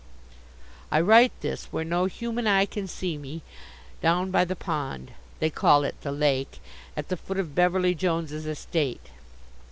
I write this, where no human eye can see me, down by the pond they call it the lake at the foot of Beverly Jones's estate.